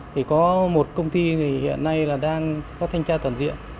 thì có một công ty thì hiện nay là đang có thanh tra toàn diện